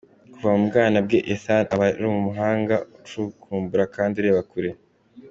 Kuva mu bwana bwe Ethan aba ari umuhanga ucukumbura kandi ureba kure.